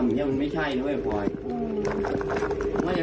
มันไม่ใช่นะไอ้พลอย